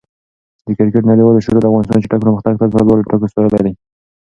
د کرکټ نړیوالې شورا د افغانستان چټک پرمختګ تل په لوړو ټکو ستایلی دی.